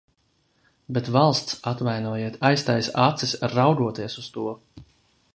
Bet valsts, atvainojiet, aiztaisa acis, raugoties uz to.